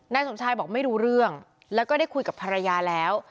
นายสมชายบอกไม่รู้เรื่องแล้วก็ได้คุยกับภรรยาแล้ว